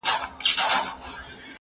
لوى مي کې، لويي مه راکوې.